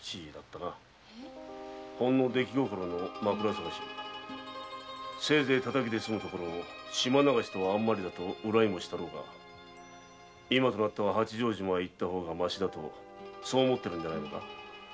ホンの出来心のマクラ探しせいぜい「叩き」で済むところを「島流し」とはあんまりだと恨みもしたろうが今では八丈島へ行ってた方がマシだったと思っているのではないのか？